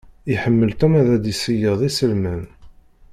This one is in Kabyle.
Iḥemmel Tom ad d-iṣeyyed iselman.